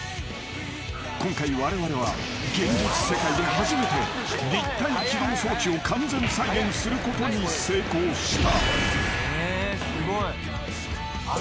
［今回われわれは現実世界で初めて立体機動装置を完全再現することに成功した］